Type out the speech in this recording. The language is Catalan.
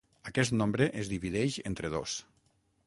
Aquest nombre es divideix entre dos.